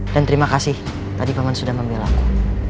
dan terima kasih tadi paman sudah membela aku